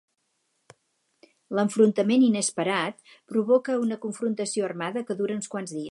L'enfrontament inesperat provoca una confrontació armada que dura uns quants dies.